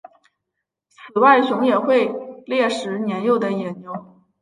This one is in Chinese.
此外熊也会猎食年幼的野牛。